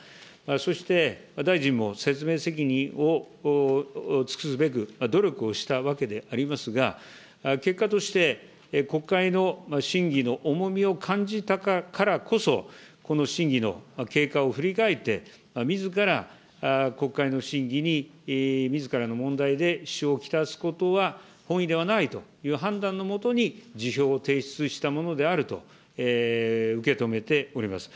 そして、大臣も説明責任を尽くすべく努力をしたわけでありますが、結果として、国会の審議の重みを感じたからこそ、この審議の経過を振り返って、みずから国会の審議に、みずからの問題で支障を来すことは本意ではないという判断の下に辞表を提出したものであると受け止めております。